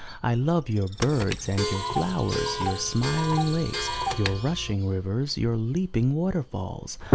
I love your birds and your flowers, your smil ing lakes, your rushing rivers, your leaping water falls.